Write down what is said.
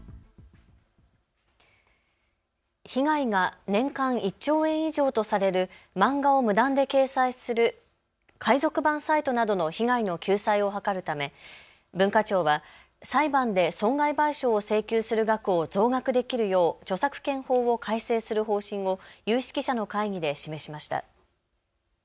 被害が年間１兆円以上とされる漫画を無断で掲載する海賊版サイトなどの被害の救済を図るため、文化庁は裁判で損害賠償を請求する額を増額できるよう著作権法を改正する方針を有識者の会議で示しました。